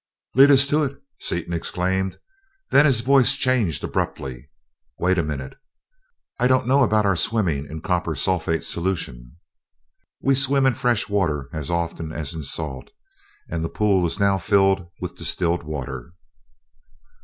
"Lead us to it!" Seaton exclaimed, then his voice changed abruptly. "Wait a minute I don't know about our swimming in copper sulphate solution." "We swim in fresh water as often as in salt, and the pool is now filled with distilled water."